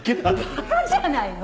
馬鹿じゃないの？